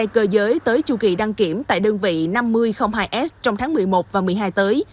đơn vị cơ giới tới chu kỳ đăng kiểm tại đơn vị năm mươi hai s trong tháng một mươi một và một mươi hai tới